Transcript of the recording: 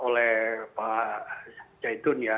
oleh pak zaitun ya